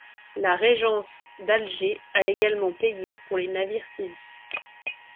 La régence d'Alger a également payé pour les navires saisis.